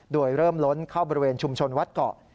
โดยเริ่มล้นเข้าบริเวณชุมชนวัดเกาะ